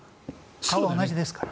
顔は同じですから。